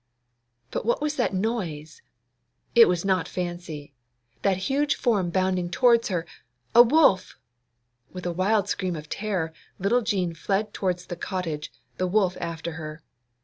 But what was that noise?—it was not fancy. That huge form bounding towards her—a wolf! With a wild scream of terror, little Jean fled towards the cottage, the wolf after her.